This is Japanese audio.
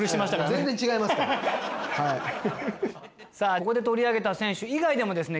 ここで取り上げた選手以外でもですね